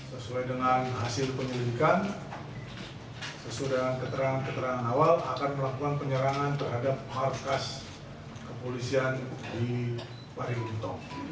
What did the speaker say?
sesuai dengan hasil penyelidikan sesudah keterangan keterangan awal akan melakukan penyerangan terhadap markas kepolisian di pari gimutong